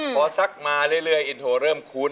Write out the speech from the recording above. พอซักมาเรื่อยอินโทรเริ่มคุ้น